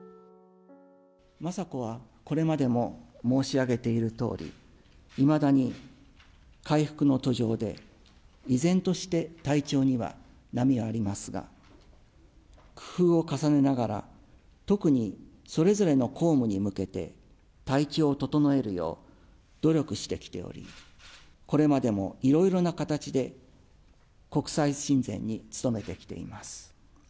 雅子はこれまでも申し上げているとおり、いまだに回復の途上で、依然として体調には波がありますが、工夫を重ねながら、特にそれぞれの公務に向けて、体調を整えるよう努力してきており、これまでもいろいろな形で、国際親善に努めてきています。